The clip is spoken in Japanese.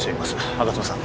吾妻さん